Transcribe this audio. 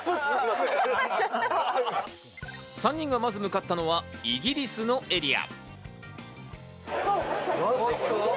３人がまず向かったのはイギリスのエリア。